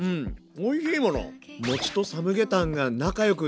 おいしいもの！